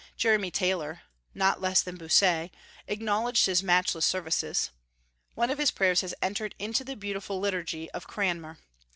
Jeremy Taylor, not less than Bossuet, acknowledged his matchless services. One of his prayers has entered into the beautiful liturgy of Cranmer.